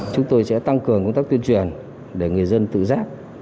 chúng tôi sẽ tăng cường công tác tuyên truyền để người dân tự giác